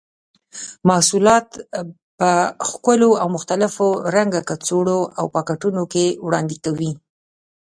محصولات په ښکلو او مختلفو رنګه کڅوړو او پاکټونو کې وړاندې کوي.